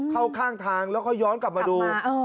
เข้าข้างทางแล้วค่อยย้อนกลับมาดู